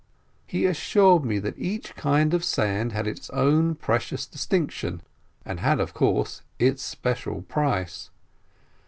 He assured me that each kind of sand had its own precious distinction, and had, of course, its special price.